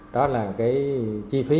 đó là cái chi phí